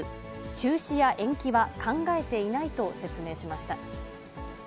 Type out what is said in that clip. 中止や延期は考えていないと説明しました。